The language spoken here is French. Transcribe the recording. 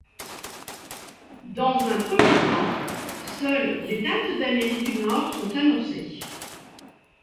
Dans un premier temps, seules les dates d'Amérique du Nord sont annoncées.